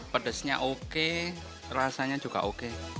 pedasnya oke rasanya juga oke